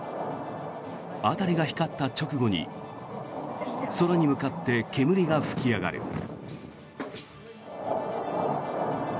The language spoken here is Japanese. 辺りが光った直後に空に向かって煙が噴き上がる。